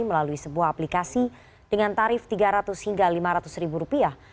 melalui sebuah aplikasi dengan tarif tiga ratus hingga lima ratus ribu rupiah